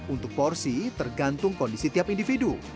untuk porsi tergantung kondisi tiap individu